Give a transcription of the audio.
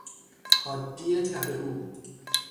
حادی تب او